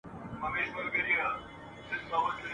لکه روڼي د چینې اوبه ځلیږي !.